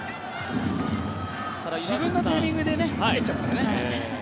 自分のタイミングで蹴っちゃったんだね。